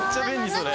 それ。